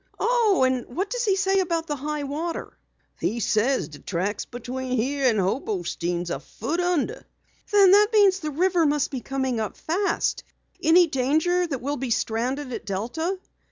"Oh! And what does he say about the high water?" "He says de track between heah and Hobostein's a foot undeh." "Then that means the river must be coming up fast. Any danger we'll be stranded at Delta?"